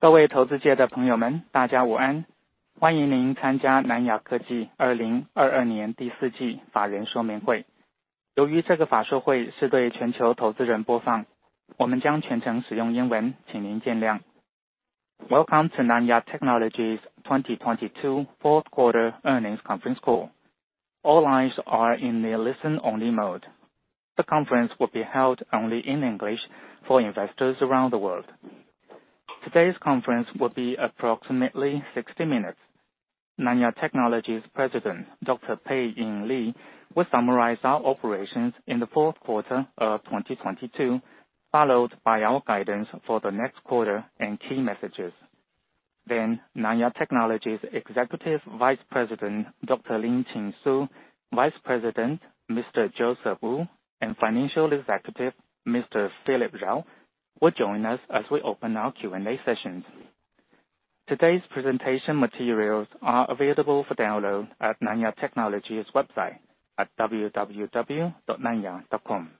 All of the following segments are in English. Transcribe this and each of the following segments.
各位投资界的朋友 们， 大家午安。欢迎您参加南亚科技二零二二年第四季法人说明会。由于这个法说会是对全球投资人播 放， 我们将全程使用英 文， 请您见谅。Welcome to Nanya Technology's 2022 Fourth Quarter Earnings Conference Call. All lines are in a listen only mode. The conference will be held only in English for investors around the world. Today's conference will be approximately 60 minutes. Nanya Technology's President Dr. Pei-Ing Lee will summarize our operations in the fourth quarter of 2022 followed by our guidance for the next quarter and key messages. Nanya Technology's Executive Vice President Dr. Lin Chin-Shu, Vice President Mr. Joseph Wu and Financial Executive Mr. Philip Tsao will join us as we open our Q&A sessions. Today's presentation materials are available for download at Nanya Technology's website at www.nanya.com.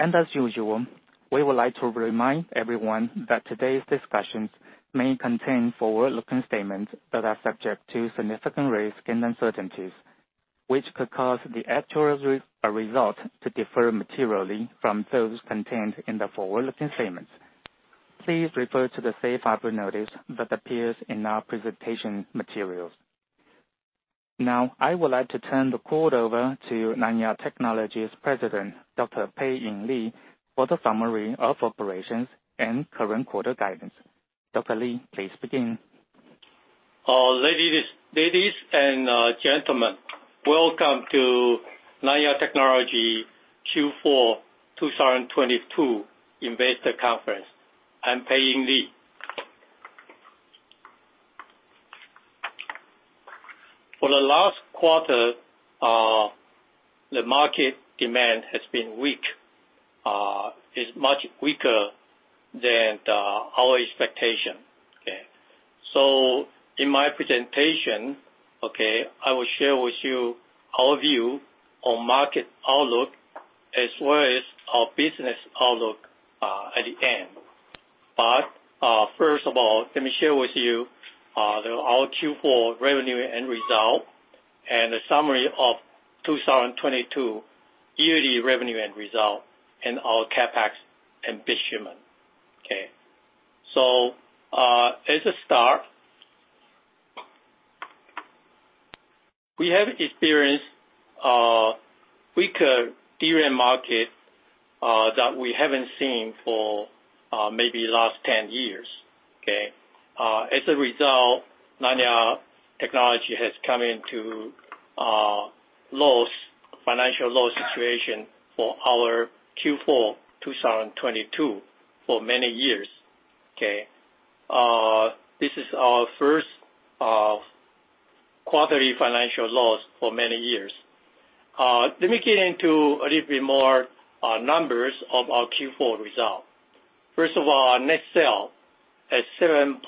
As usual, we would like to remind everyone that today's discussions may contain forward-looking statements that are subject to significant risks and uncertainties, which could cause the actual result to differ materially from those contained in the forward-looking statements. Please refer to the safe harbor notice that appears in our presentation materials. Now I would like to turn the call over to Nanya Technology's President Dr. Pei-Ing Lee for the summary of operations and current quarter guidance. Dr. Lee, please begin. Ladies and gentlemen, welcome to Nanya Technology Q4 2022 investor conference. I'm Pei-Ing Lee. For the last quarter, the market demand has been weak. Is much weaker than our expectation. Okay? In my presentation, okay, I will share with you our view on market outlook as well as our business outlook at the end. First of all, let me share with you our Q4 revenue end result and a summary of 2022 yearly revenue end result and our CapEx investment. Okay. As a start, we have experienced weaker DRAM market that we haven't seen for maybe last 10 years. Okay? As a result, Nanya Technology has come into financial loss situation for our Q4 2022 for many years. Okay? This is our Q1ly financial loss for many years. Let me get into a little bit more numbers of our Q4 result. First of all, our net sale at NTD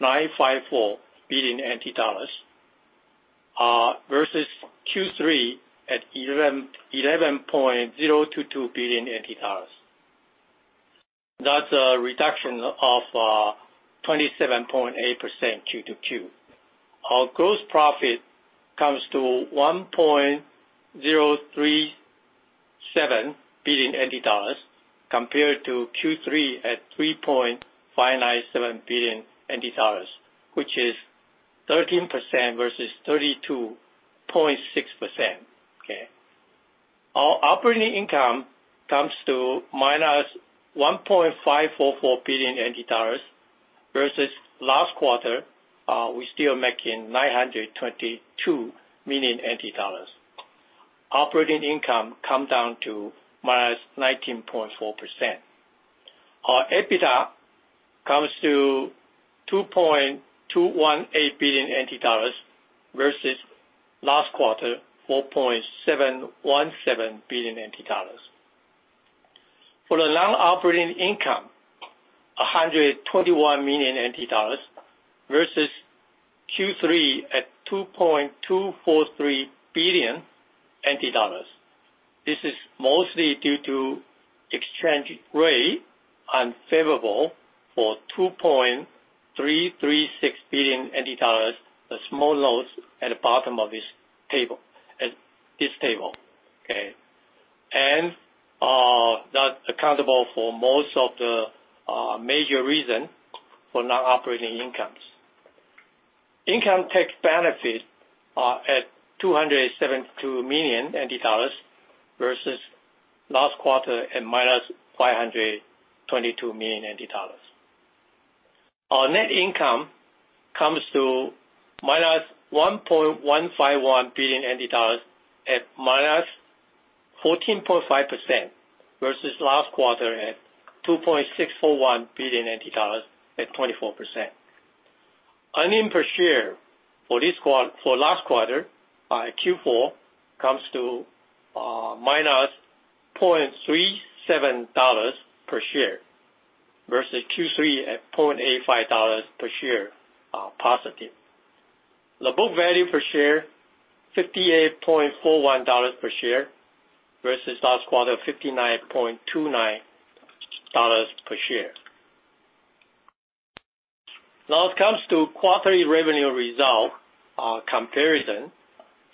7.954 billion versus Q3 at NTD 11.022 billion. That's a reduction of 27.8% quarter-to-quarter. Our gross profit comes to NTD 1.037 billion compared to Q3 at NTD 3.597 billion, which is 13% versus 32.6%. Okay? Our operating income comes to minus NT dollars 1.544 billion versus last quarter, we're still making NT dollars 922 million. Operating income come down to -19.4%. Our EBITDA comes to NT dollars 2.218 billion versus last quarter, NT dollars 4.717 billion. For the non-operating income, NT dollars 121 million versus Q3 at NT dollars 2.243 billion. This is mostly due to exchange rate unfavorable for NT dollars 2.336 billion, a small loss at the bottom of this table. Okay? That's accountable for most of the major reason for non-operating incomes. Income tax benefit are at NT dollars 272 million versus last quarter at minus NT dollars 522 million. Our net income comes to minus NT dollars 1.151 billion at -14.5% versus last quarter at NT dollars 2.641 billion at 24%. Earning per share for last quarter, Q4, comes to -$0.37 per share versus Q3 at $0.85 per share, positive. The book value per share $58.41 per share versus last quarter $59.29 per share. It comes to quarterly revenue result, comparison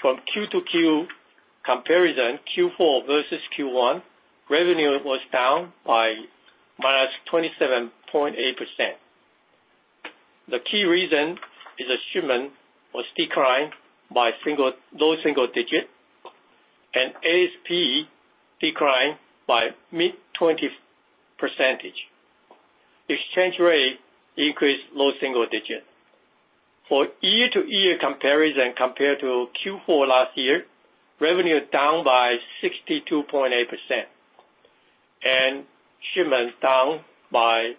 from quarter-to-quarter comparison, Q4 versus Q1, revenue was down by -27.8%. The key reason is the shipment was declined by low single digit and ASP declined by mid-20%. Exchange rate increased low single digit. For year-to-year comparison compared to Q4 last year, revenue down by 62.8% and shipments down by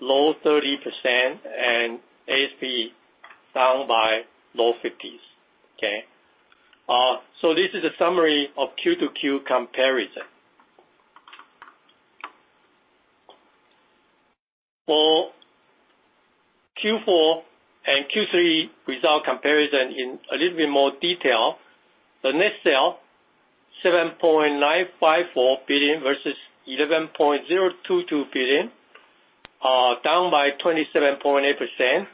low 30% and ASP down by low 50s. Okay? This is a summary of quarter-to-quarter comparison. For Q4 and Q3 result comparison in a little bit more detail. The net sale NT dollars 7.954 billion versus NT dollars 11.022 billion, down by 27.8%.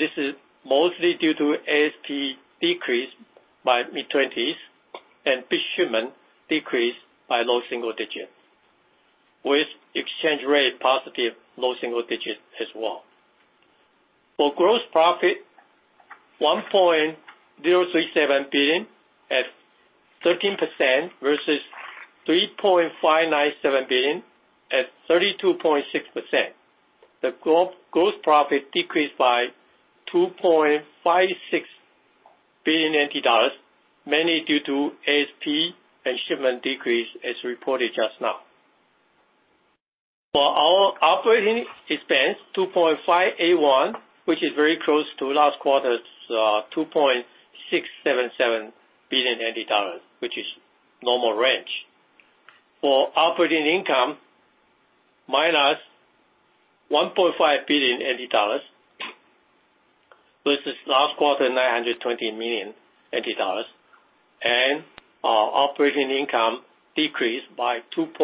This is mostly due to ASP decrease by mid-20s and bit shipment decrease by low single digit, with exchange rate positive low single digit as well. For gross profit, NT dollars 1.037 billion at 13% versus NT dollars 3.597 billion at 32.6%. The gross profit decreased by NT dollars 2.56 billion, mainly due to ASP and shipment decrease as reported just now. For our operating expense, NT dollars 2.581, which is very close to last quarter's NT dollars 2.677 billion, which is normal range. For operating income, minus NT dollars 1.5 billion versus last quarter NT dollars 920 million. Our operating income decreased by NT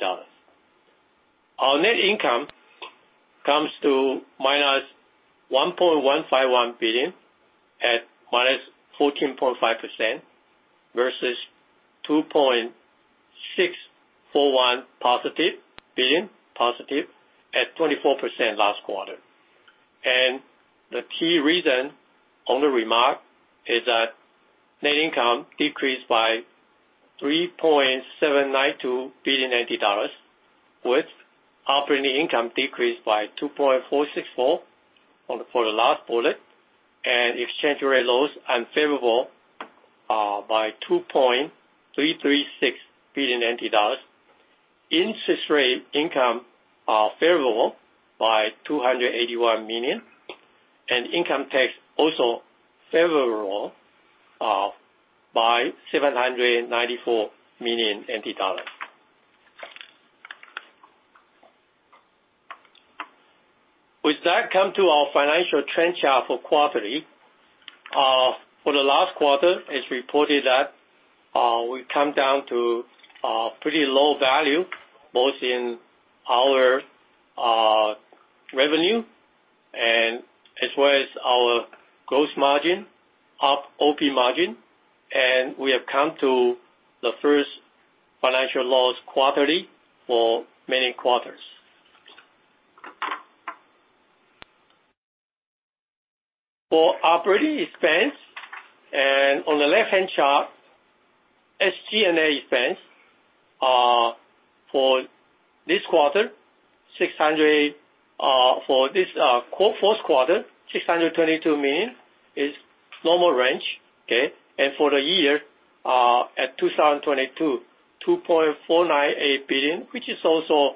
dollars 2.464 billion. Our net income comes to minus NT dollars 1.151 billion at -14.5% versus NT dollars 2.641 positive billion positive at 24% last quarter. The key reason on the remark is that net income decreased by NT dollars 3.792 billion, with operating income decreased by NT dollars 2.464 billion for the last bullet, and exchange rate loss unfavorable by NT dollars 2.336 billion. Interest rate income favorable by NT dollars 281 million, and income tax also favorable by NT dollars 794 million. With that, come to our financial trend chart for quarterly. For the last quarter, it's reported that we've come down to pretty low value, both in our revenue and as well as our gross margin, OP margin, and we have come to the first financial loss quarterly for many quarters. For operating expense and on the left-hand chart, SG&A expense, for this quarter, for this Q4 quarter, NT dollars 622 million is normal range. Okay? For the year 2022, NT dollars 2.498 billion, which is also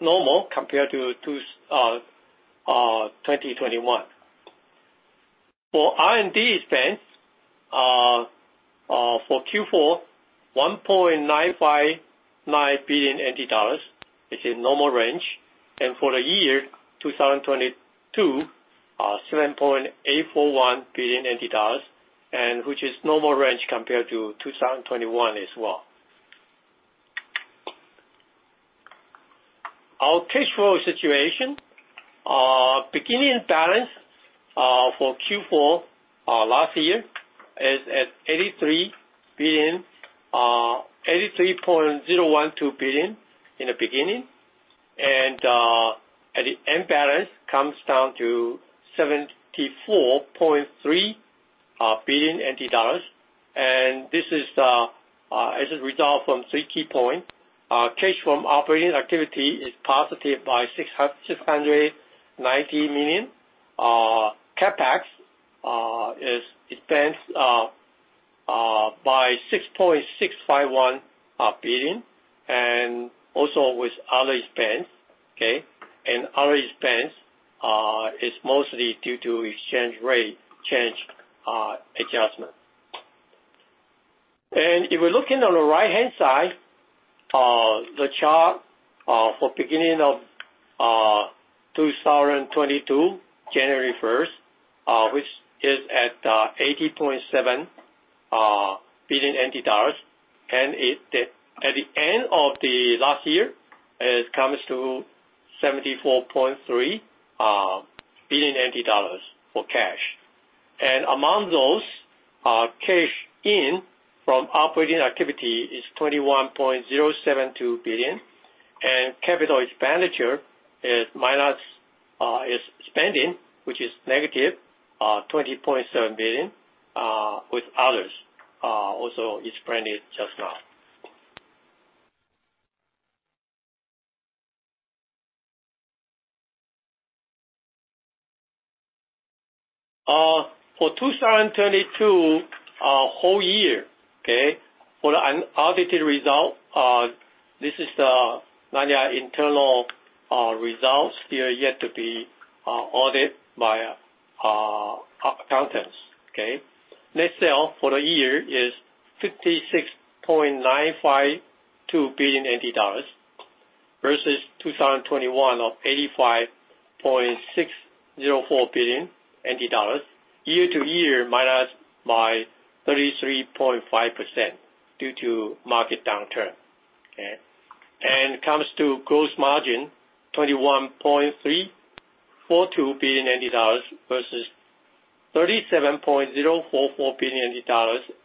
normal compared to 2021. For R&D expense, for Q4, NT dollars 1.959 billion is in normal range. For the year 2022, NT dollars 7.841 billion and which is normal range compared to 2021 as well. Our cash flow situation, beginning balance, for Q4 last year is at NT dollars 83 billion, NT dollars 83.012 billion in the beginning. At the end balance comes down to NT dollars 74.3 billion. This is as a result from three key points. Cash from operating activity is positive by NT dollars 690 million. CapEx is expense by NT dollars 6.651 billion, and also with other expense. Okay? Other expense is mostly due to exchange rate change adjustment. For beginning of 2022, January first, which is at NT dollars 80.7 billion. At the end of the last year, it comes to NT dollars 74.3 billion for cash. Among those, cash in from operating activity is NT dollars 21.072 billion. Capital expenditure is spending, which is negative NT dollars 20.7 billion, with others also explained it just now. For 2022, whole year, okay. For an audited result, this is the Nanya internal results still yet to be audit by accountants, okay. Net sale for the year is NT dollars 56.952 billion versus 2021 of NT dollars 85.604 billion. year-over-year minus by 33.5% due to market downturn. Okay. It comes to gross margin, NT dollars 21.342 billion versus NT dollars 37.044 billion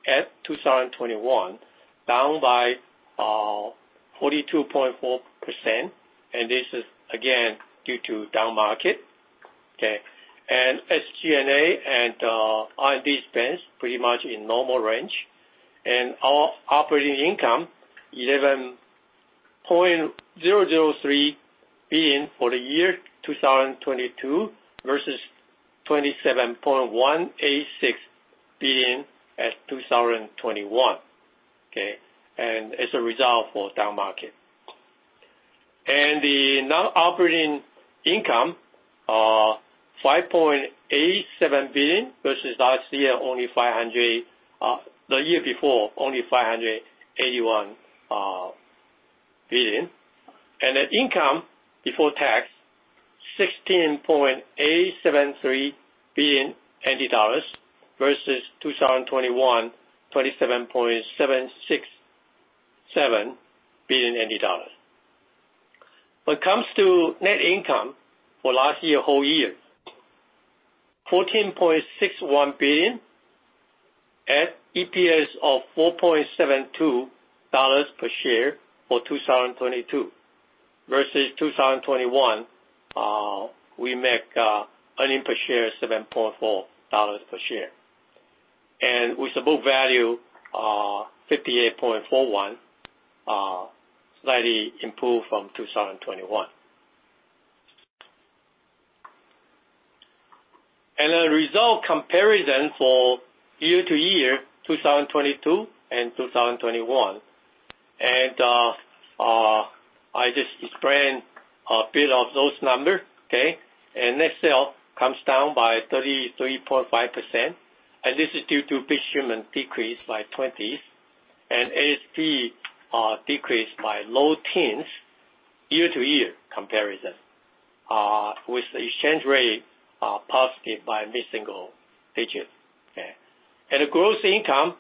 at 2021, down by 42.4%. This is again, due to down market. Okay. SG&A and R&D spends pretty much in normal range. Our operating income, NT dollars 11.003 billion for the year 2022 versus NT dollars 27.186 billion at 2021, okay? As a result for down market. The non-operating income, NT dollars 5.87 billion versus the year before, only NT dollars 581 billion. The income before tax, NT dollars 16.873 billion versus 2021, NT dollars 27.767 billion. When it comes to net income for last year whole year, NT dollars 14.61 billion at EPS of $4.72 per share for 2022 versus 2021, we make earning per share $7.40 per share. With the book value, NT dollars 58.41, slightly improved from 2021. I just explained a bit of those numbers. Net sale comes down by 33.5%, and this is due to bit shipment decrease by 20s, and ASP decreased by low teens year-to-year comparison, with the exchange rate positive by mid-single digits. The gross income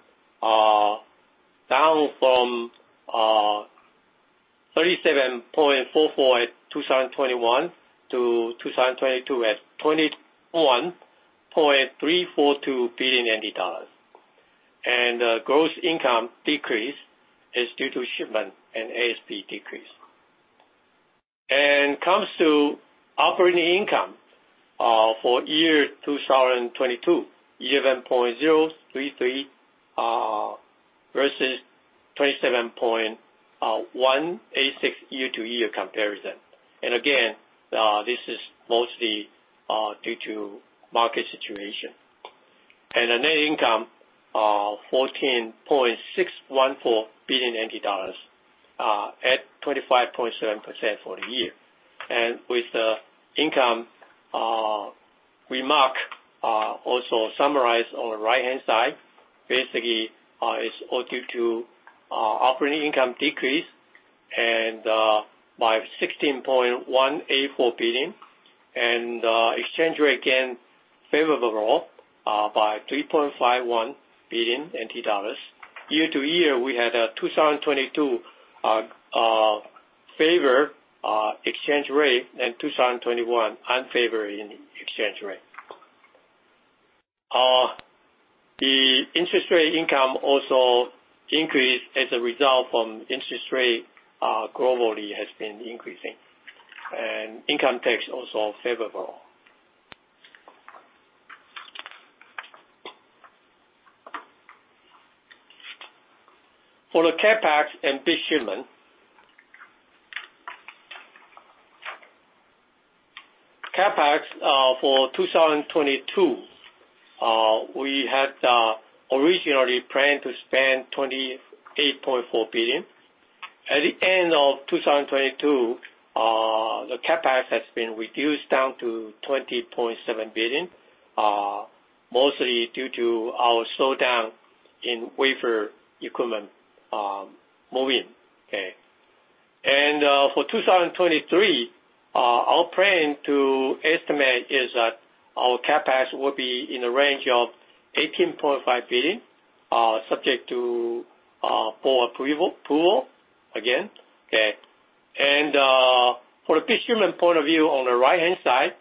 down from 37.44 at 2021 to 2022 at 21.342 billion NT dollars. Gross income decrease is due to shipment and ASP decrease. Comes to operating income for year 2022, 11.033 versus 27.186 year-to-year comparison. Again, this is mostly due to market situation. The net income, NTD 14.614 billion, at 25.7% for the year. With the income remark also summarized on the right-hand side. Basically, it's all due to operating income decrease by NTD 16.184 billion and exchange rate again, favorable, by NTD 3.51 billion. Year-to-year, we had 2022 favor exchange rate and 2021 unfavorable in exchange rate. The interest rate income also increased as a result from interest rate globally has been increasing. Income tax also favorable. For the CapEx and bit shipment. CapEx for 2022, we had originally planned to spend NTD 28.4 billion. At the end of 2022. The CapEx has been reduced down to NT dollars 20.7 billion, mostly due to our slowdown in wafer equipment moving. For 2023, our plan to estimate is that our CapEx will be in the range of NT dollars 18.5 billion, subject to board approval again. For the bit shipment point of view on the right-hand side,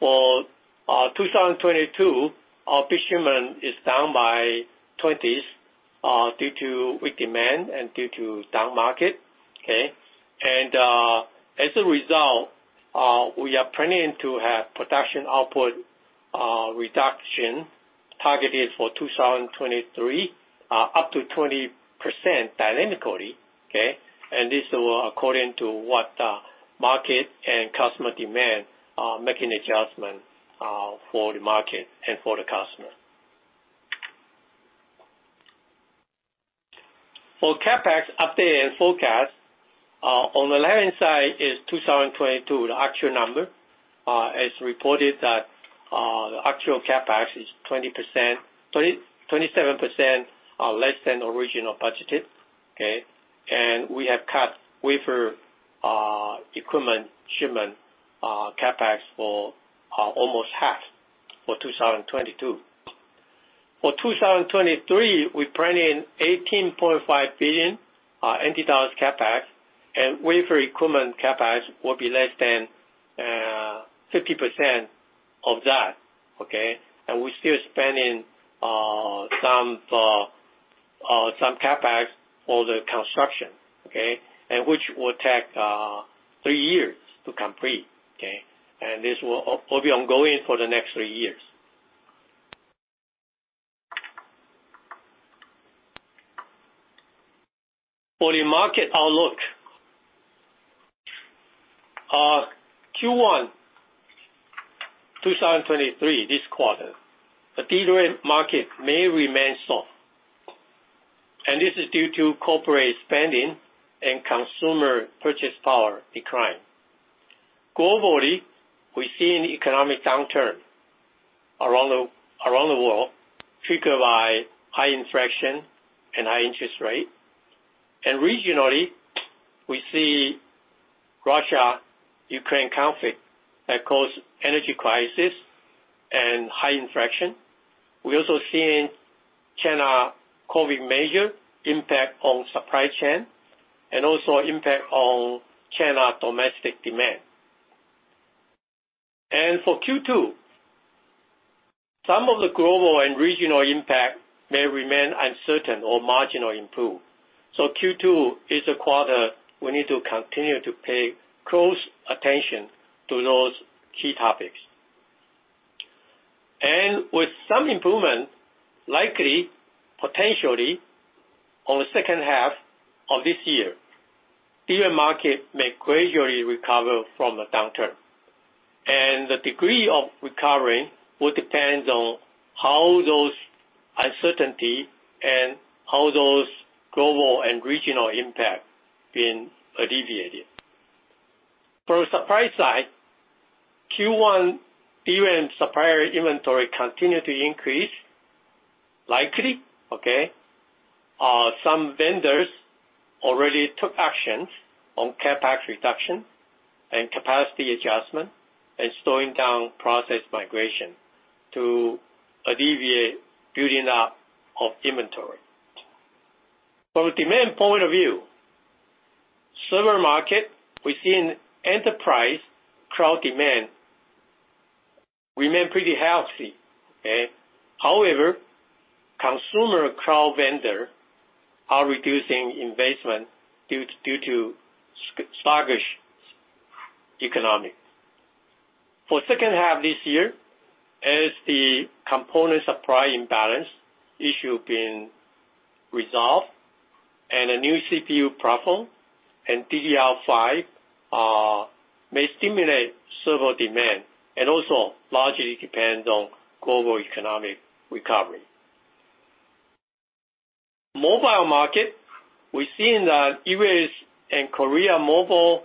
for 2022, our bit shipment is down by 20%, due to weak demand and due to down market. As a result, we are planning to have production output reduction targeted for 2023, up to 20% dynamically. This will according to what market and customer demand, making adjustment for the market and for the customer. For CapEx update and forecast, on the left-hand side is 2022, the actual number. As reported that the actual CapEx is 27% less than original budgeted. Okay. We have cut wafer equipment shipment CapEx for almost half for 2022. For 2023, we plan in NT$18.5 billion CapEx, and wafer equipment CapEx will be less than 50% of that. Okay? We're still spending some for some CapEx for the construction, okay? Which will take 3 years to complete. Okay? This will be ongoing for the next 3 years. For the market outlook, Q1 2023, this quarter, the DRAM market may remain soft. This is due to corporate spending and consumer purchase power decline. Globally, we're seeing economic downturn around the world, triggered by high inflation and high interest rate. Regionally, we see Russia/Ukraine conflict that cause energy crisis and high inflation. We're also seeing China COVID measure impact on supply chain and also impact on China domestic demand. For Q2, some of the global and regional impact may remain uncertain or marginally improve. Q2 is a quarter we need to continue to pay close attention to those key topics. With some improvement, likely, potentially, on the second half of this year, DRAM market may gradually recover from the downturn. The degree of recovery will depends on how those uncertainty and how those global and regional impact been alleviated. For supply side, Q1 DRAM supplier inventory continue to increase, likely. Some vendors already took actions on CapEx reduction and capacity adjustment and slowing down process migration to alleviate building up of inventory. From a demand point of view, server market, we're seeing enterprise cloud demand remain pretty healthy. However, consumer cloud vendor are reducing investment due to stagnant economic. For second half of this year, as the component supply imbalance issue been resolved and a new CPU platform and DDR5 may stimulate server demand and also largely depends on global economic recovery. Mobile market, we're seeing that U.S. and Korea mobile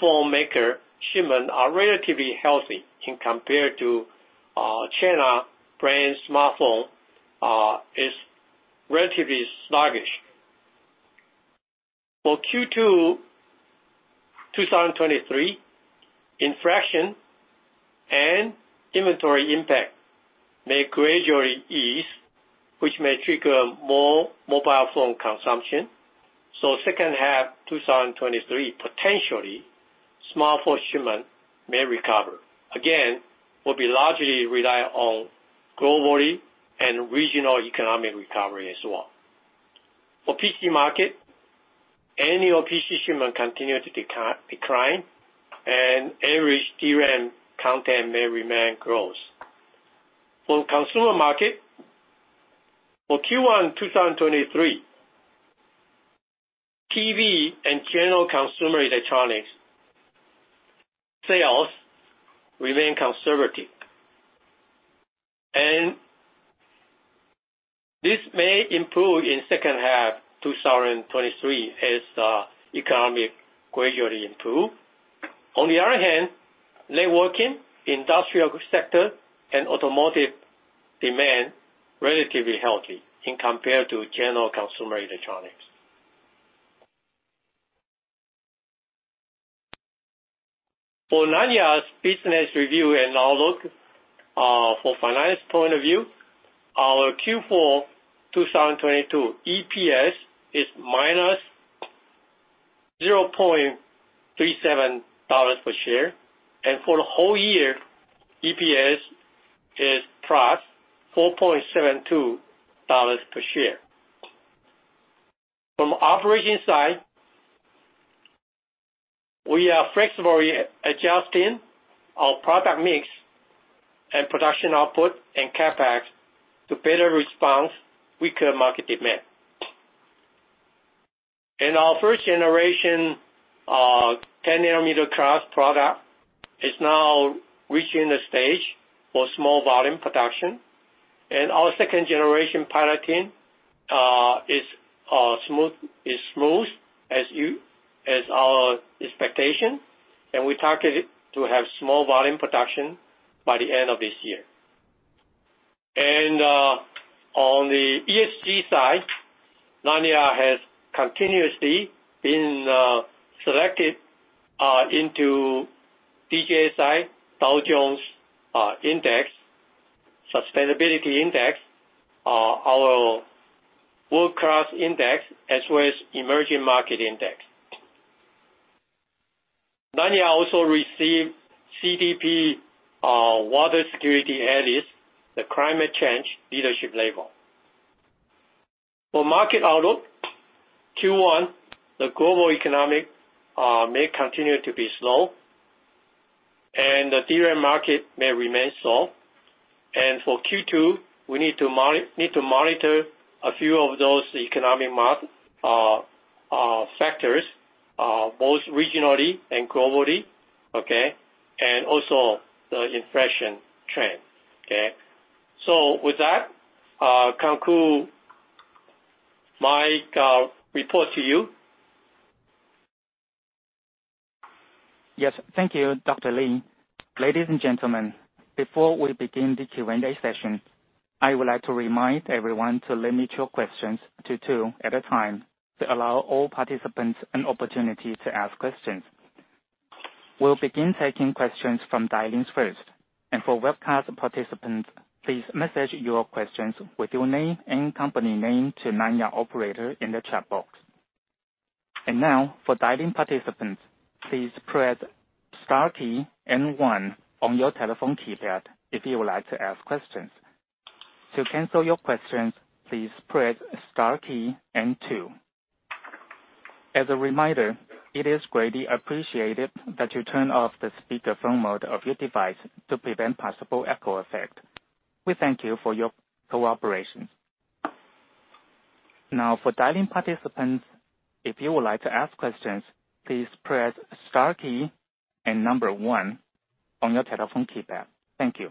phone maker shipment are relatively healthy in compared to China brand smartphone is relatively sluggish. For Q2 2023, inflation and inventory impact may gradually ease, which may trigger more mobile phone consumption. Second half 2023, potentially, smartphone shipment may recover. Again, will be largely rely on globally and regional economic recovery as well. For PC market, annual PC shipment continue to decline and average DRAM content may remain growth. For consumer market, for Q1 2023, TV and general consumer electronics sales remain concerned. 2023 as economic gradually improve. On the other hand, networking, industrial sector and automotive demand relatively healthy in compared to general consumer electronics. For Nanya's business review and outlook, for finance point of view, our Q4 2022 EPS is -$0.37 per share. For the whole year, EPS is +$4.72 per share. From operation side, we are flexibly adjusting our product mix and production output and CapEx to better respond weaker market demand. Our first generation 10nm-class product is now reaching the stage for small volume production. Our second generation piloting is smooth as our expectation, and we targeted to have small volume production by the end of this year. On the ESG side, Nanya has continuously been selected into DJSI, Dow Jones Sustainability Index, our World Class Index, as well as Emerging Market Index. Nanya also received CDP Water Security A List, the Climate Change Leadership level. For market outlook, Q1, the global economic may continue to be slow, and the DRAM market may remain slow. For Q2, we need to monitor a few of those economic factors, both regionally and globally, and also the inflation trend. With that, conclude my report to you. Yes. Thank you, Dr. Lee. Ladies and gentlemen, before we begin the Q&A session, I would like to remind everyone to limit your questions to 2 at a time to allow all participants an opportunity to ask questions. We'll begin taking questions from dial-ins first. For webcast participants, please message your questions with your name and company name to Nanya operator in the chat box. Now for dial-in participants, please press star key and one on your telephone keypad if you would like to ask questions. To cancel your questions, please press star key and two. As a reminder, it is greatly appreciated that you turn off the speakerphone mode of your device to prevent possible echo effect. We thank you for your cooperation. Now for dial-in participants, if you would like to ask questions, please press star key and 1 on your telephone keypad. Thank you.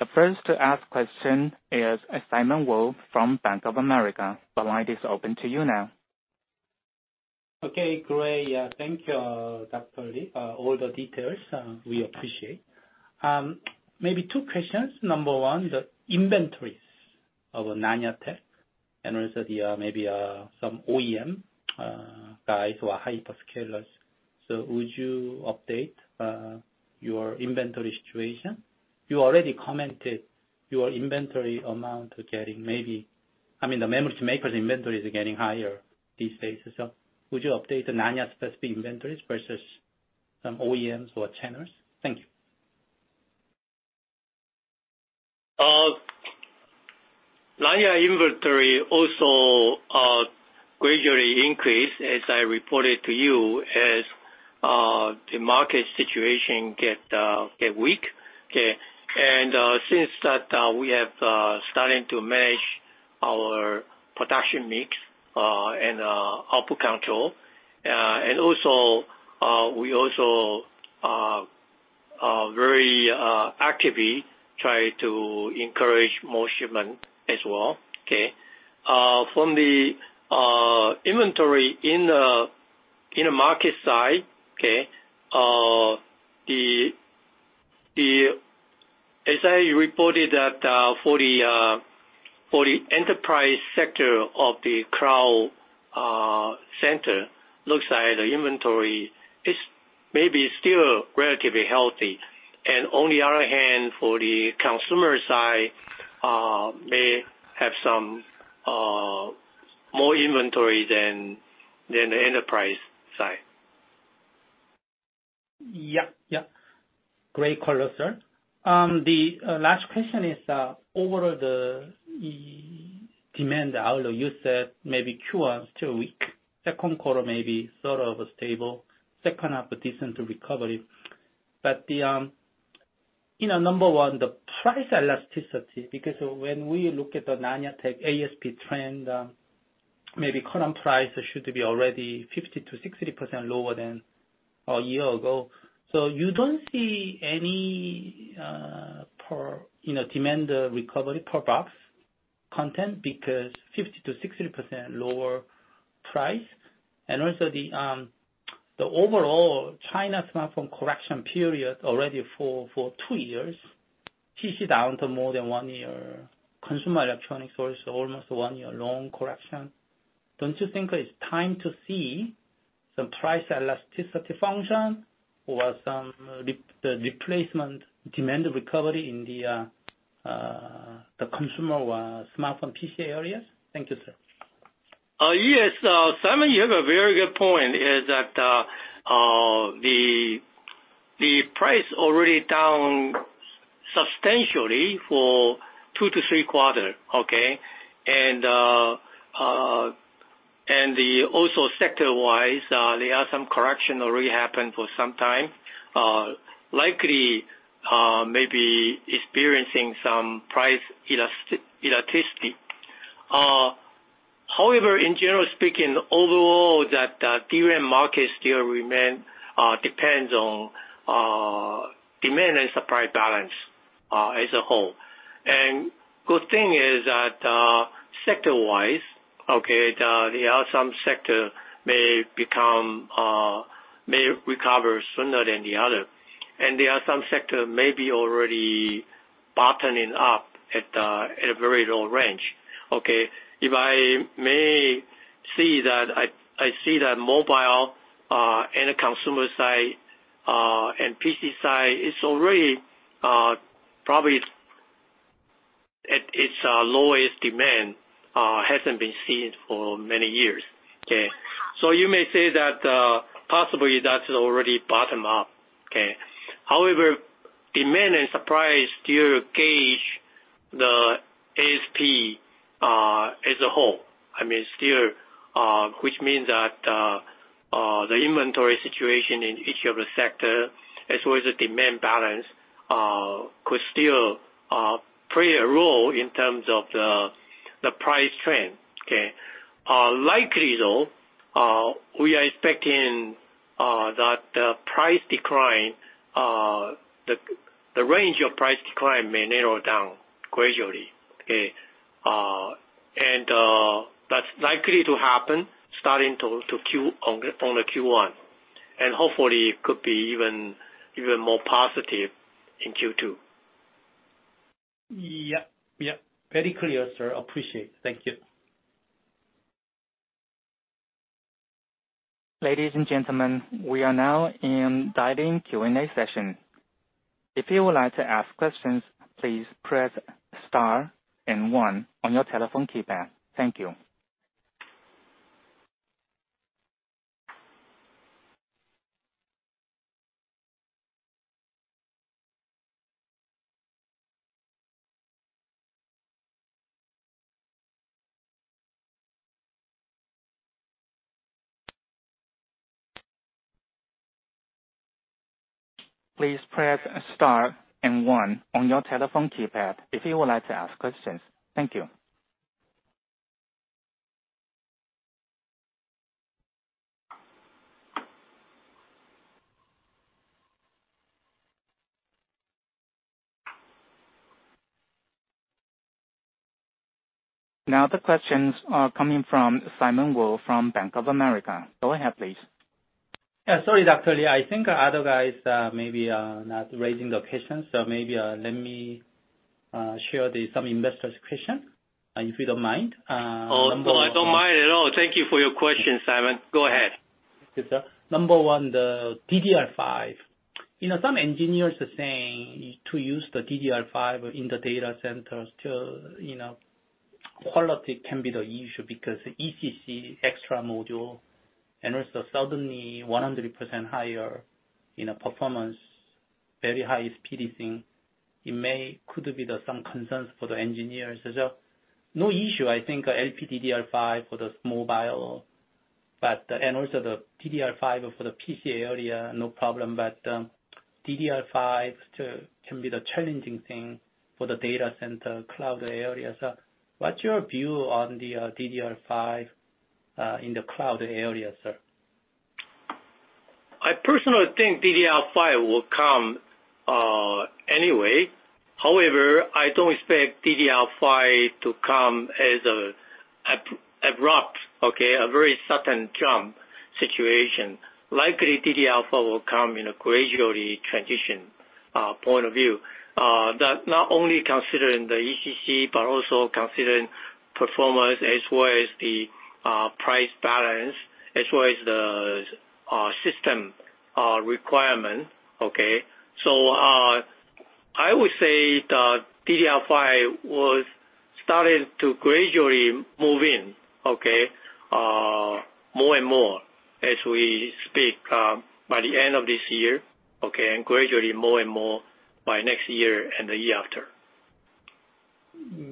The first to ask question is Simon Wu from Bank of America. The line is open to you now. Okay, great. Thank you, Dr. Lee. All the details, we appreciate. Maybe two questions. Number one, the inventories of Nanya Tech and also the, maybe, some OEM guys who are hyperscalers. Would you update your inventory situation? You already commented your inventory amount getting maybe... I mean, the memory makers' inventories are getting higher these days. Would you update the Nanya specific inventories versus some OEMs or tenors? Thank you. Nanya inventory also gradually increased, as I reported to you, as the market situation get get weak. Okay. Since that, we have starting to manage our production mix and output control. Also, we also very actively try to encourage more shipment as well. Okay? From the inventory in the market side, okay, the the As I reported that, for the enterprise sector of the cloud center, looks like the inventory is maybe still relatively healthy. And on the other hand, for the consumer side, may have some more inventory than than the enterprise side. Yeah. Yeah. Great color, sir. The last question is overall the demand outlook. You said maybe Q1 is too weak, Q2 may be sort of stable, second half a decent recovery. You know, number one, the price elasticity, because when we look at the Nanya Tech ASP trend. Maybe current prices should be already 50% to 60% lower than a year ago. You don't see any, you know, demand recovery per box content because 50% to 60% lower price. Also, the overall China smartphone correction period already for 2 years, PC down to more than 1 year, consumer electronic source almost 1 year long correction. Don't you think it's time to see some price elasticity function or some re-replacement demand recovery in the consumer or smartphone PCA areas? Thank you, sir. Yes. Simon, you have a very good point, is that the price already down substantially for two to three quarter, okay? Also sector-wise, there are some correction already happened for some time, likely maybe experiencing some price elasticity. However, in general speaking, overall that DRAM market still remain, depends on demand and supply balance, as a whole. Good thing is that sector-wise, okay, there are some sector may become, may recover sooner than the other, and there are some sector may be already bottoming up at a very low range, okay? If I may see that, I see that mobile, and the consumer side, and PC side is already probably at its lowest demand, hasn't been seen for many years, okay? You may say that, possibly that is already bottom up, okay. However, demand and supply still gauge the ASP as a whole. I mean, still, which means that the inventory situation in each of the sector as well as the demand balance could still play a role in terms of the price trend, okay. Likely though, we are expecting that price decline, the range of price decline may narrow down gradually, okay. That's likely to happen starting to Q1. Hopefully, it could be even more positive in Q2. Yeah. Very clear, sir. Appreciate. Thank you. Ladies and gentlemen, we are now in dial-in Q&A session. If you would like to ask questions, please press star and one on your telephone keypad. Thank you. Please press star and one on your telephone keypad if you would like to ask questions. Thank you. The questions are coming from Simon Wu from Bank of America. Go ahead, please. Yeah. Sorry, Pei-Ing Lee. I think other guys maybe are not raising the questions, so maybe let me share the some investors' question if you don't mind. Oh, no, I don't mind at all. Thank you for your question, Simon. Go ahead. Yes, sir. Number one, the DDR5. You know, some engineers are saying to use the DDR5 in the data centers to, you know, quality can be the issue because ECC extra module and also suddenly 100% higher, you know, performance, very high-speed thing, it may could be the some concerns for the engineers. There's no issue, I think, LPDDR5 for the mobile, but, and also the DDR5 for the PCA area, no problem. DDR5 can be the challenging thing for the data center cloud area. What's your view on the DDR5 in the cloud area, sir? I personally think DDR5 will come anyway. However, I don't expect DDR5 to come as a abrupt. A very sudden jump situation. Likely, DDR5 will come in a gradually transition point of view. That not only considering the ECC, but also considering performance as well as the price balance, as well as the system requirement. I would say that DDR5 was starting to gradually move in more and more as we speak by the end of this year. Gradually more and more by next year and the year after.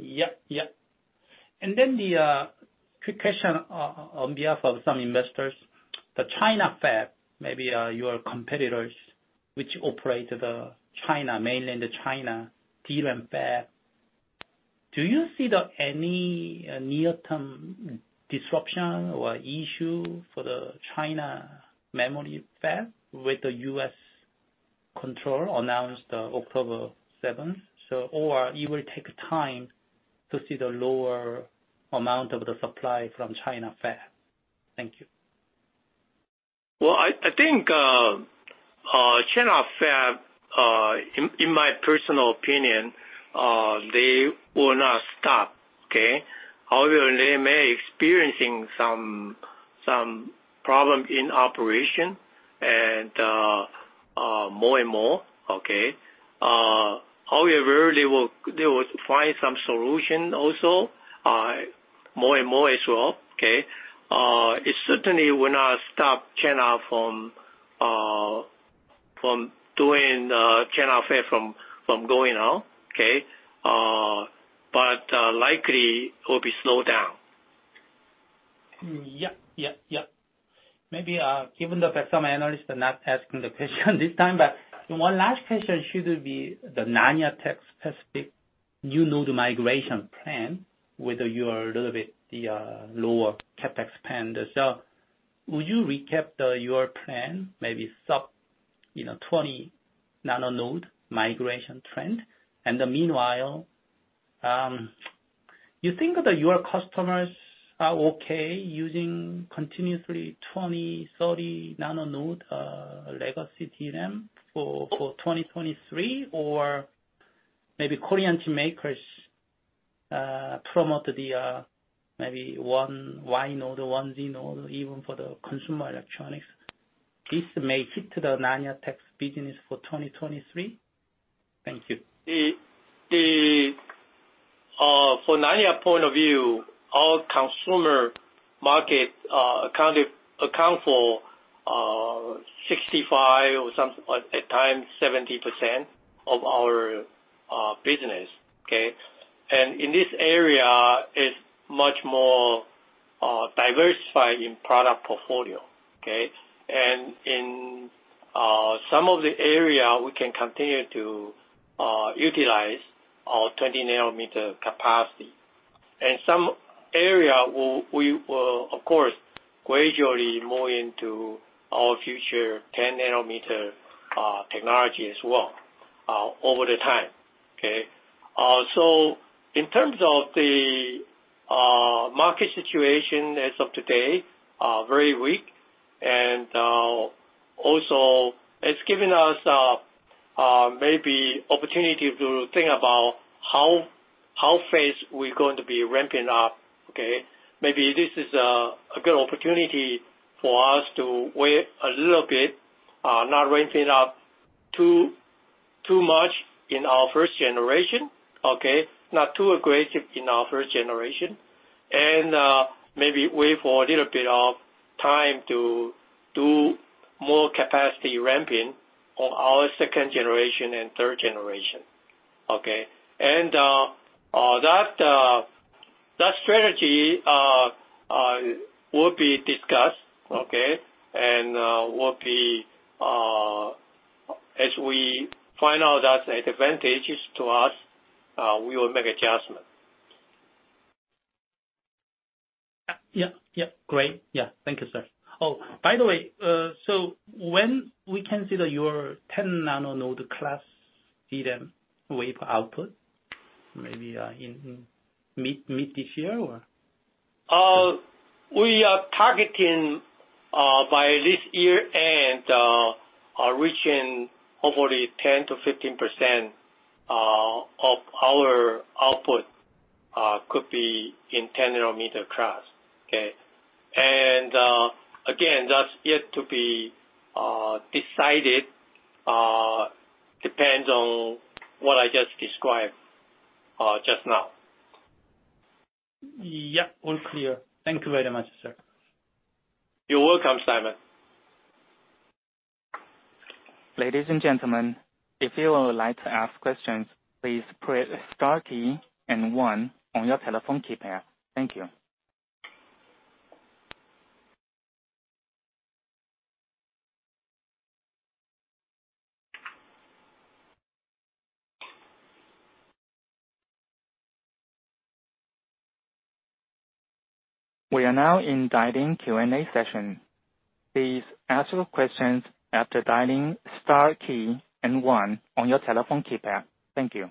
Yeah. Yeah. The quick question on behalf of some investors. The China fab, maybe, your competitors which operate the China, mainland China DRAM fab. Do you see the any near-term disruption or issue for the China memory fab with the U.S. control announced October seventh, so or it will take time to see the lower amount of the supply from China fab? Thank you. Well, I think, China fab, in my personal opinion, they will not stop. Okay? However, they may experiencing some problem in operation and, more and more, okay? However, they will find some solution also, more and more as well, okay? It certainly will not stop China from doing, China fab from going on, okay? Likely will be slowed down. Yeah. Maybe, given that some analysts are not asking the question this time, but one last question should be the Nanya Tech specific new node migration plan, whether you are a little bit, lower CapEx spend. Would you recap your plan, maybe sub, 20nm node migration trend? In the meanwhile, you think that your customers are okay using continuously 20nm/thirty nano node, legacy DRAM for 2023 or maybe Korean makers promote maybe 1Y node, 1z node even for the consumer electronics. This may hit the Nanya Tech business for 2023. Thank you. From Nanya point of view, our consumer market, account for 65% or some, at times 70% of our business, okay. In this area is much more diversified in product portfolio, okay. In some of the area we can continue to utilize our 20nm capacity. In some area we will of course gradually move into our future 10nm technology as well over the time, okay. In terms of the market situation as of today, very weak. Also it's given us maybe opportunity to think about how fast we're going to be ramping up, okay. Maybe this is a good opportunity for us to wait a little bit, not ramping up too much in our first generation. Okay. Not too aggressive in our first generation. Maybe wait for a little bit of time to do more capacity ramping on our second generation and third generation. Okay? That strategy will be discussed, okay? Will be, as we find out that's advantageous to us, we will make adjustment. Yeah. Yeah. Yeah. Great. Yeah. Thank you, sir. Oh, by the way, so when we can see that your 10nm node class DRAM wafer output, maybe, in mid this year or? We are targeting by this year end, reaching hopefully 10% to 15% of our output could be in 10nm-class. Okay? Again, that's yet to be decided, depends on what I just described just now. All clear. Thank you very much, sir. You're welcome, Simon. Ladies and gentlemen, if you would like to ask questions, please press star key and one on your telephone keypad. Thank you. We are now in guided Q&A session. Please ask your questions after dialing star key and one on your telephone keypad. Thank you.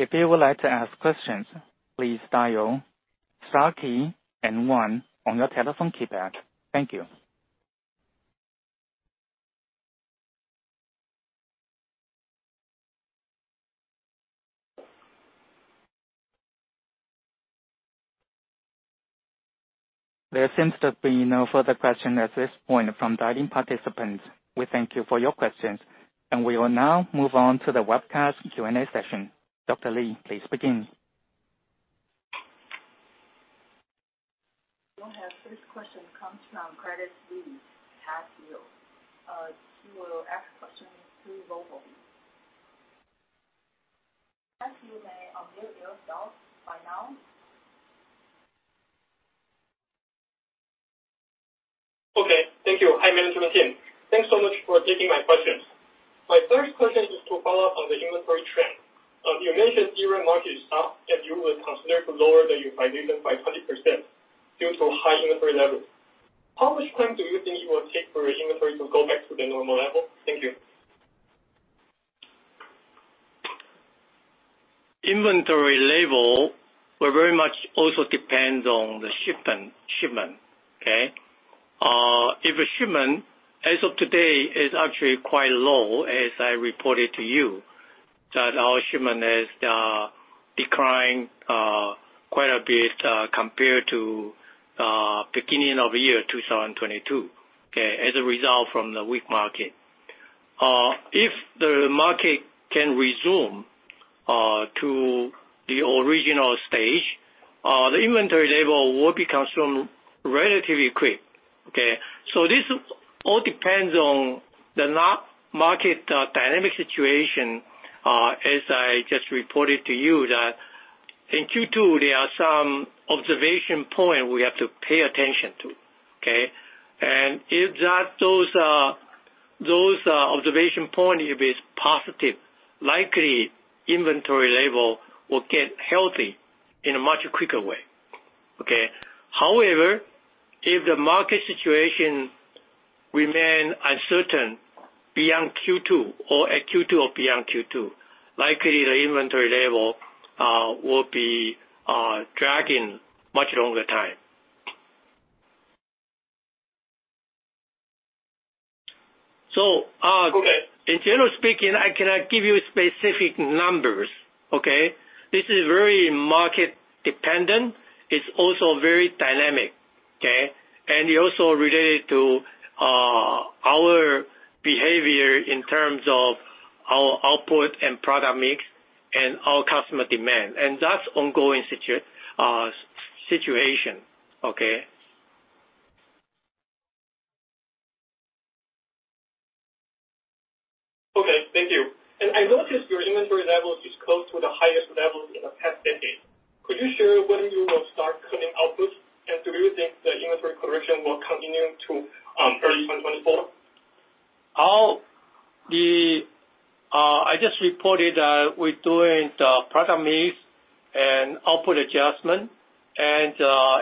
If you would like to ask questions, please dial star key and one on your telephone keypad. Thank you. There seems to be no further question at this point from dialing participants. We thank you for your questions, and we will now move on to the webcast Q&A session. Dr. Lee, please begin. We'll have first question comes from Credit Suisse, Thad Hill. He will ask questions through vocal. Thad Hill, you may unmute yourself by now. Okay. Thank you. Hi, management team. Thanks so much for taking my questions. My first question is to follow up on the inventory trend. You mentioned during market is soft, you will consider to lower the utilization by 20% due to high inventory levels. How much time do you think it will take for your inventory to go back to the normal level? Thank you. Inventory level will very much also depends on the shipment. Okay. If a shipment as of today is actually quite low, as I reported to you, that our shipment is declining quite a bit compared to beginning of year 2022. As a result from the weak market. If the market can resume to the original stage, the inventory level will be consumed relatively quick. This all depends on the market dynamic situation, as I just reported to you that in Q2, there are some observation point we have to pay attention to. If that those observation point, if it's positive, likely inventory level will get healthy in a much quicker way. If the market situation remain uncertain beyond Q2 or at Q2 or beyond Q2, likely the inventory level, will be dragging much longer time. Okay. In general speaking, I cannot give you specific numbers, okay? This is very market dependent. It's also very dynamic, okay? It also related to our behavior in terms of our output and product mix and our customer demand. That's ongoing situation, okay? Okay, thank you. I noticed your inventory levels is close to the highest levels in the past decade. Could you share when you will start cutting outputs? Do you think the inventory correction will continue to early 2024? All the, I just reported that we're doing the product mix and output adjustment, and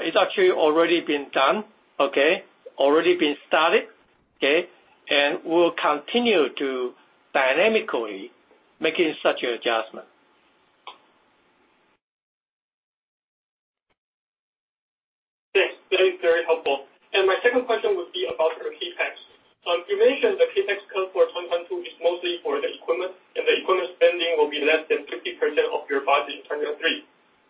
it's actually already been done, okay? Already been started, okay? We'll continue to dynamically making such an adjustment. Yes. Very, very helpful. My second question would be about your CapEx. You mentioned the CapEx cost for 2022 is mostly for the equipment, and the equipment spending will be less than 50% of your budget in 2023.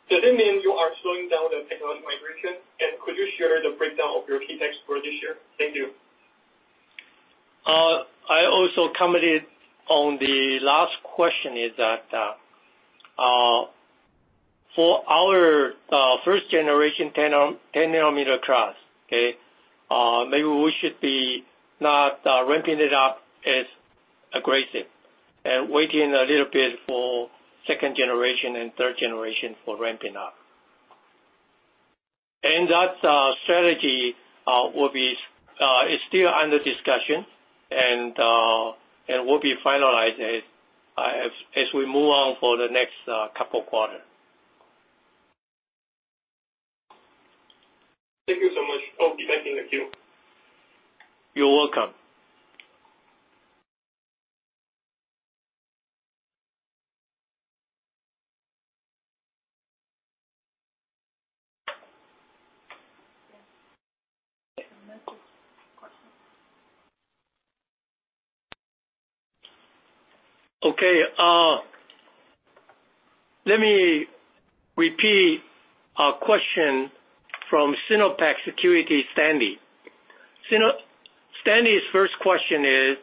Does it mean you are slowing down the technology migration? Could you share the breakdown of your CapEx for this year? Thank you. I also commented on the last question is that for our first generation 10 nanometer class, okay? Maybe we should be not ramping it up as aggressive and waiting a little bit for second generation and third generation for ramping up. That strategy will be is still under discussion and will be finalized as we move on for the next couple quarter. Thank you so much. I'll be back in the queue. You're welcome. Next question. Okay, let me repeat a question from SinoPac Securities, Stanley. Stanley's first question is,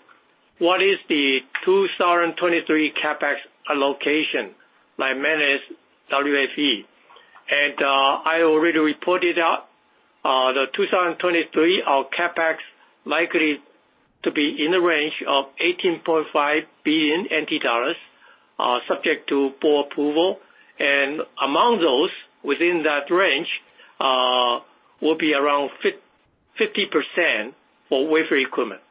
what is the 2023 CapEx allocation by managed WFE? I already reported out the 2023, our CapEx likely to be in the range of NT dollars 18.5 billion, subject to board approval. Among those within that range will be around 50% for wafer equipment.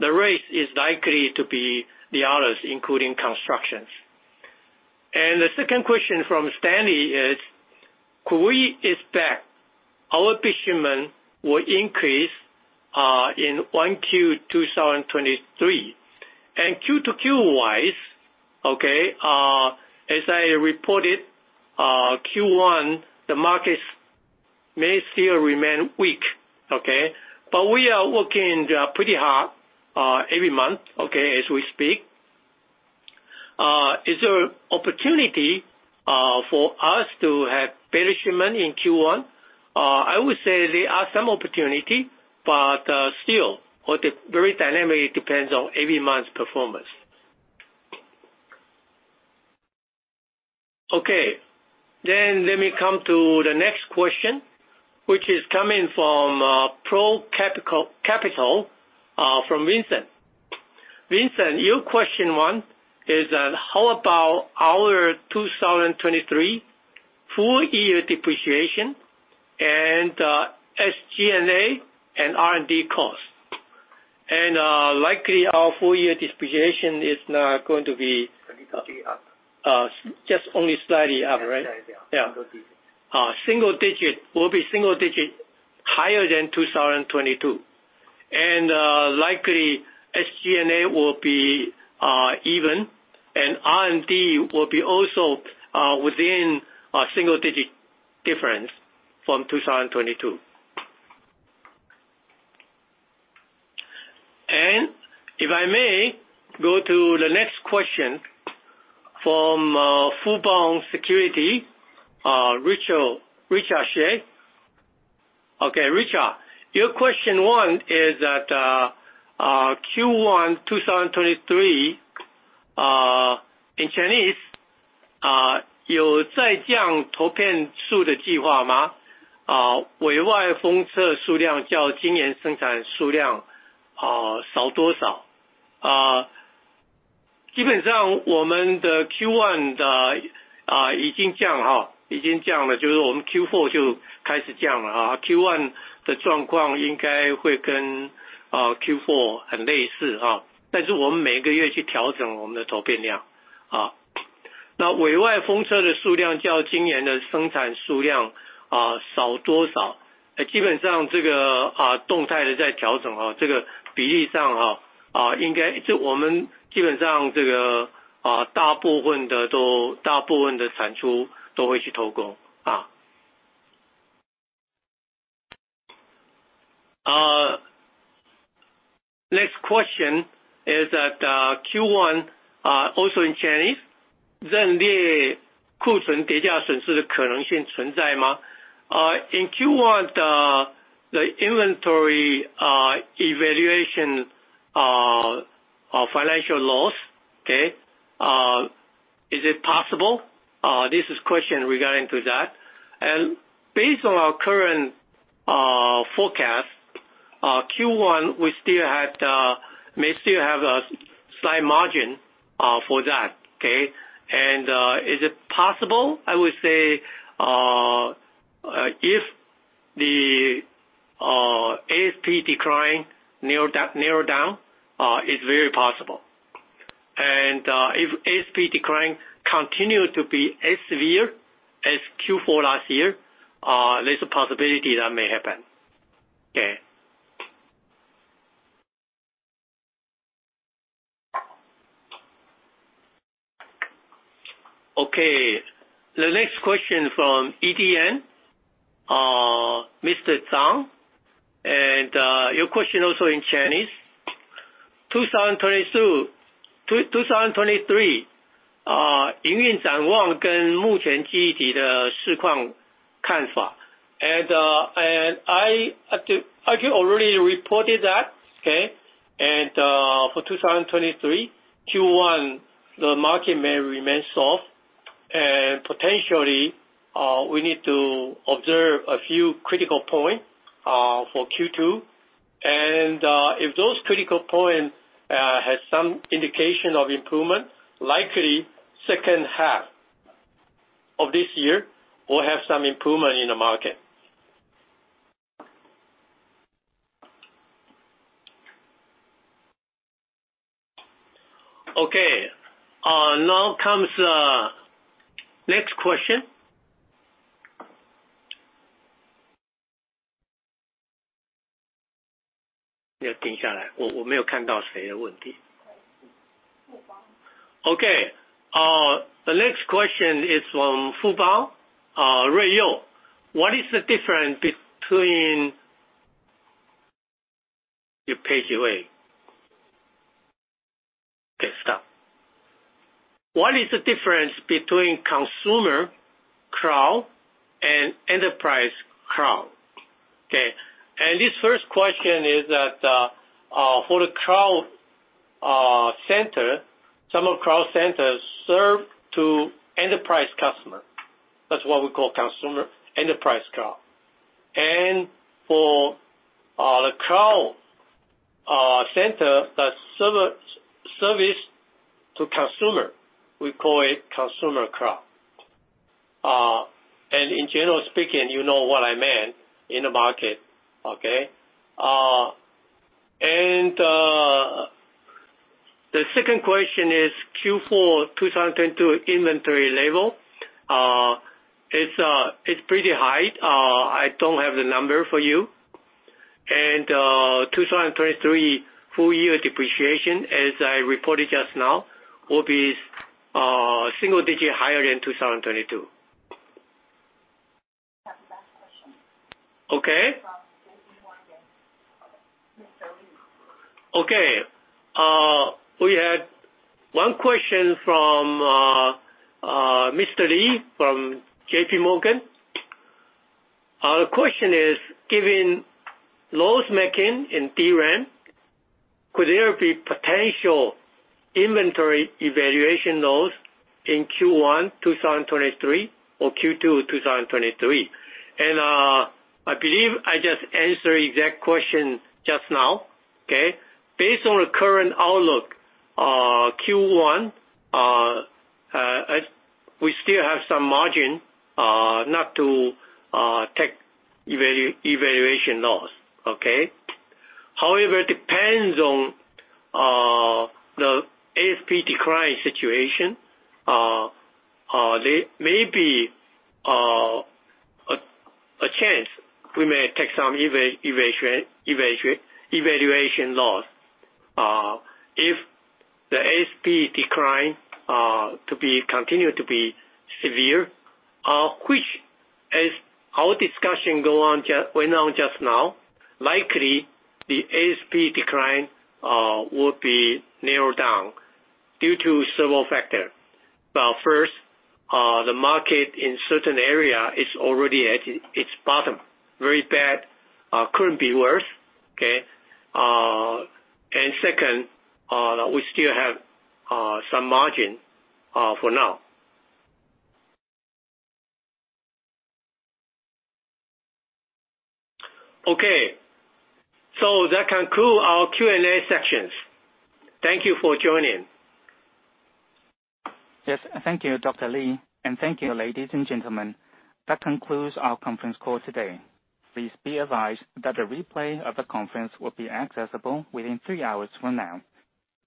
The rest is likely to be the others, including constructions. The second question from Stanley is, could we expect our business will increase in Q1 2023? Q to Q-wise, okay, as I reported, Q1, the markets may still remain weak, okay? We are working pretty hard every month. Okay. Opportunity for us to have better shipment in Q1. I would say there are some opportunity, but still very dynamic, it depends on every month's performance. Okay. Let me come to the next question, which is coming from Pro Capital, from Vincent. Vincent, your question 1 is that how about our 2023 full year depreciation and SG&A and R&D costs? Likely, our full year depreciation is not going to be- It will be up. Just only slightly up, right? Slightly up. Yeah. Single digit. Single digit. Will be single digit, higher than 2022. Likely, SG&A will be even, R&D will be also within a single digit difference from 2022. If I may go to the next question from Fubon Securities, Richard Hsieh. Richard, your question 1 is that Q1 2023, in Chinese. Next question is that Q1 also in Chinese. In Q1, the inventory evaluation of financial loss, is it possible? This is question regarding to that. Based on our current forecast, Q1, we still had, may still have a slight margin for that. Is it possible? I would say, if the ASP decline narrow down, narrow down, it's very possible. If ASP decline continue to be as severe as Q4 last year, there's a possibility that may happen. The next question from EDN, Mr. Chung. Your question also in Chinese. 2022, 2023, I think I already reported that. For 2023, Q1, the market may remain soft. Potentially, we need to observe a few critical point for Q2. If those critical points has some indication of improvement, likely second half of this year will have some improvement in the market. Now comes next question. The next question is from Fubon, Ray Yao. What is the difference between... You page away. Stop. What is the difference between consumer cloud and enterprise cloud? This first question is that for the cloud center, some of cloud centers serve to enterprise customer. That's what we call consumer enterprise cloud. For the cloud center that service to consumer, we call it consumer cloud. In general speaking, you know what I meant in the market. Okay? The second question is Q4 2022 inventory level. It's pretty high. I don't have the number for you. 2023 full year depreciation, as I reported just now, will be single-digit higher than 2022. That's the last question. Okay. Okay. We had one question from Mr. Lee from J.P. Morgan. The question is, given loss-making in DRAM, could there be potential inventory evaluation loss in Q1 2023 or Q2 2023? I believe I just answered the exact question just now. Okay? Based on the current outlook, Q1, we still have some margin not to take evaluation loss. Okay? However, it depends on the ASP decline situation. There may be a chance we may take some evaluation loss, if the ASP decline to be continued to be severe, which as our discussion went on just now, likely the ASP decline will be narrowed down due to several factors. First, the market in certain area is already at its bottom. Very bad. couldn't be worse. Okay? Second, we still have, some margin, for now. Okay. That concludes our Q&A sessions. Thank you for joining. Yes. Thank you, Dr. Lee. Thank you, ladies and gentlemen. That concludes our conference call today. Please be advised that a replay of the conference will be accessible within three hours from now,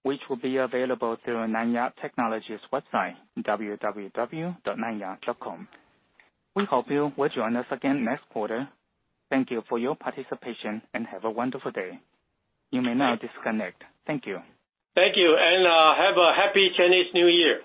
which will be available through Nanya Technology's website, www.nanya.com. We hope you will join us again next quarter. Thank you for your participation, and have a wonderful day. You may now disconnect. Thank you. Thank you. Have a happy Chinese New Year.